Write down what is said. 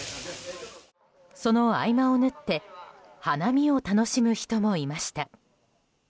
その合間を縫って花見を楽しむ人もいました。